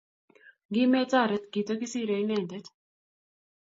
Ngimetoret, kitogisiire inendet